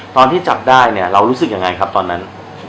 ตอนที่จับได้เนี่ยเรารู้สึกยังไงครับตอนนั้น